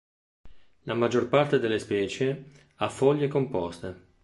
La maggior parte delle specie ha foglie composte.